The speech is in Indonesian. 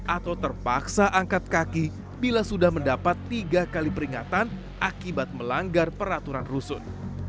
atau terpaksa angkat kaki bila sudah mendapat tiga kali peringatan akibat melanggar peraturan rusun